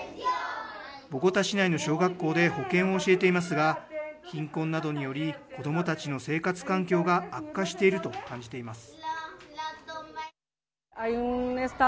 ボコタ市内の小学校で保健を教えていますが貧困などにより子どもたちの生活環境が悪化していると感じています。